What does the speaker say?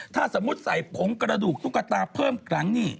ถ้าสมมุติใส่ผงกระดูกตุ๊กตาเพิ่มครั้งนี่